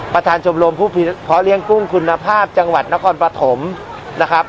ประธานชมรมผู้เพาะเลี้ยงกุ้งคุณภาพจังหวัดนครปฐมนะครับ